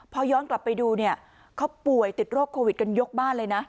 พอย้อนกลับไปดูเนี่ยเขาป่วยติดโรคโควิดกันยกบ้านเลยนะ